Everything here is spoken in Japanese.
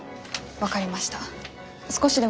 分かりました。